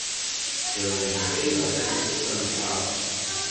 D awezɣi ad m-samḥeɣ.